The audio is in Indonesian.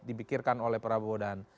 dipikirkan oleh prabowo dan